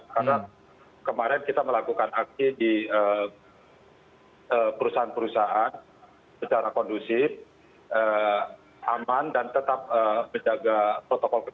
karena kemarin kita melakukan aksi di perusahaan perusahaan secara kondusif aman dan tetap menjaga protokol kesehatan